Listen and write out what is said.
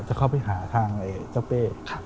จะเข้าไปหาทางเจ้าเป้